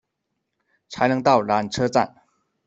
才能到缆车站